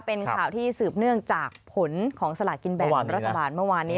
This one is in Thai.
เป็นข่าวที่สืบเนื่องจากผลของสลากินแบ่งรัฐบาลเมื่อวานนี้